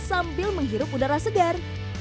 sambil menghirup udara segar